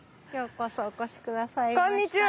こんにちは！